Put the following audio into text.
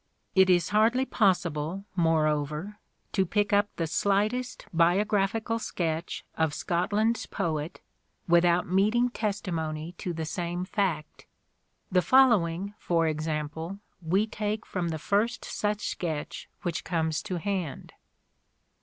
It is hardly possible, more over, to pick up the slightest biographical sketch of Scotland's poet without meeting testimony to the same fact. The following, for example, we take from the first such sketch which comes to hand.